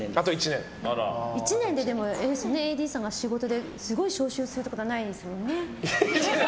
１年でＡＤさんが仕事ですごい昇進するってことはないですよね。